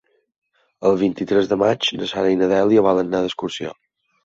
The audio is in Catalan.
El vint-i-tres de maig na Sara i na Dèlia volen anar d'excursió.